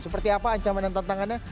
seperti apa ancaman dan tantangannya